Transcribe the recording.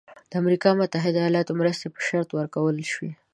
د امریکا د متحده ایالاتو مرستې په شرط ورکول شوی.